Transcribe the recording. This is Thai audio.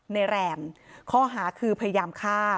แรมข้อหาคือพยายามฆ่า